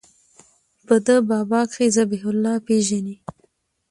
په ده بابا کښې ذبيح الله پېژنې.